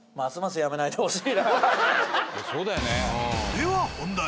では本題。